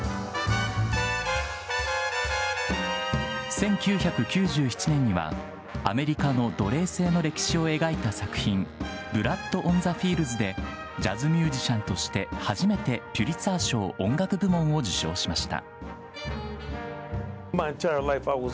１９９７年にはアメリカの奴隷制の歴史を描いた作品「ブラッド・オン・ザ・フィールズ」でジャズミュージシャンとして初めてピュリツァー賞音楽部門を受賞しました。